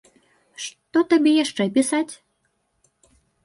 Што табе яшчэ пісаць?